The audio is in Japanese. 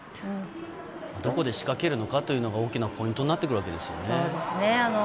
どこで仕掛けるのかというのが大きなポイントになるわけですね。